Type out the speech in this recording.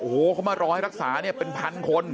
โอ้โหเขามารอให้รักษาเนี่ยเป็นพันคน